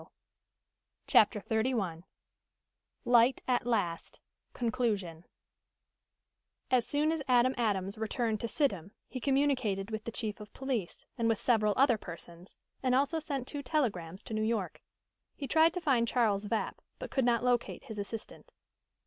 "Yes." CHAPTER XXXI LIGHT AT LAST CONCLUSION As soon as Adam Adams returned to Sidham he communicated with the chief of police, and with several other persons, and also sent two telegrams to New York. He tried to find Charles Vapp, but could not locate his assistant.